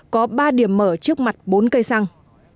có ba điểm mở trước mặt bốn cây xăng